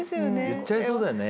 言っちゃいそうだよね。